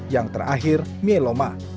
yang terakhir mieloma